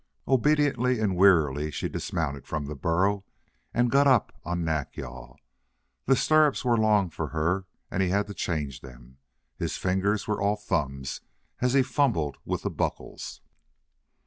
Obediently and wearily she dismounted from the burro and got up on Nack yal. The stirrups were long for her and he had to change them. His fingers were all thumbs as he fumbled with the buckles.